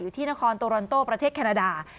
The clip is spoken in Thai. อยู่ที่นครโตรนโตประเทศแคนาดา